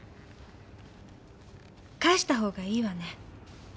返したほうがいいわね。